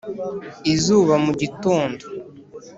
izuba mu gitondo